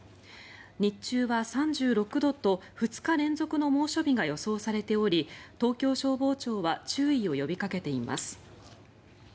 日中は３６度と２日連続の猛暑日が予想されており、東京消防庁は注意を呼びかけています。